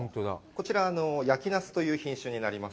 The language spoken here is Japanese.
こちらは「やきなす」という品種になります。